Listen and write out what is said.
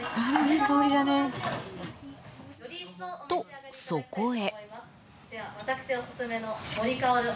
と、そこへ。